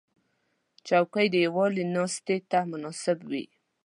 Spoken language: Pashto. چوکۍ د یووالي ناستې ته مناسب وي.